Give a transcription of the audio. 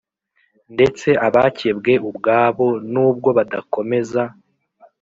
Ndetse abakebwe ubwabo nubwo badakomeza